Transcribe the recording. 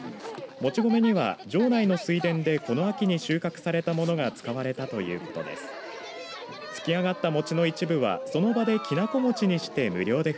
もち米には城内の水田でこの秋に収穫されたものが使われたということです。